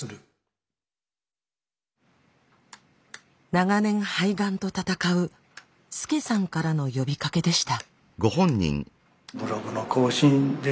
長年肺がんと闘うスケサンからの呼びかけでした。